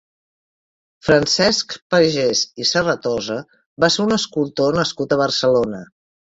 Francesc Pagès i Serratosa va ser un escultor nascut a Barcelona.